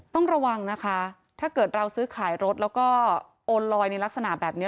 ต้องระวังนะคะถ้าเกิดเราซื้อขายรถแล้วก็โอนลอยในลักษณะแบบนี้